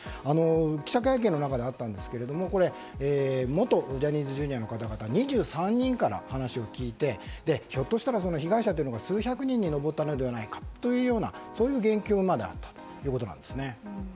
記者会見の中でもあったんですけれども元ジャニーズＪｒ．の方々２３人から話を聞いてひょっとしたら被害者の方が数百人に上ったのではないかとそういう言及もあるということなんですね。